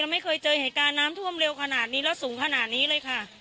ไม่เคยเจอเหตุการณ์น้ำท่วมเร็วขนาดนี้แล้วสูงขนาดนี้เลยค่ะ